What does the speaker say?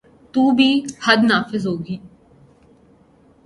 تو بھی حد نافذ ہو گی۔